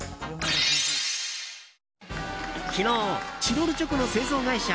昨日、チロルチョコの製造会社